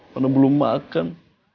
mana belum makan